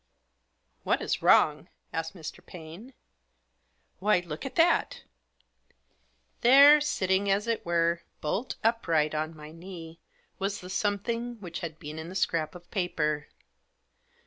" What is wrong ?" asked Mr. Paine. "Why, look at that 1\ There, sitting, as it were, bolt upright on my knee Digitized by 40 THE JOSS. was the something which had been in the scrap of paper.